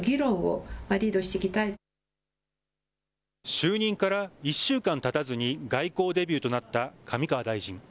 就任から１週間たたずに外交デビューとなった上川大臣。